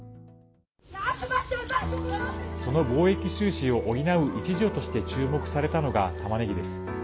その貿易収支を補う一助として注目されたのが、たまねぎです。